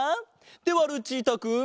ではルチータくん。